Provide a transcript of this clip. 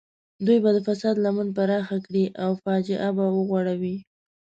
دوی به د فساد لمن پراخه کړي او فاجعه به وغوړوي.